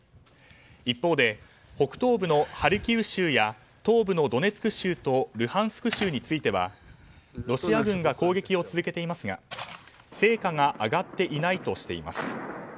一方で、北東部のハルキウ州や東部のドネツク州とルハンシク州についてはロシア軍が攻撃を続けていますが成果が上がっていないとしています。